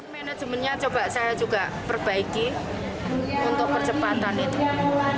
manajemennya coba saya juga perbaiki untuk percepatan itu